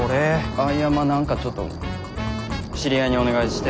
あぁいやまあ何かちょっと知り合いにお願いして。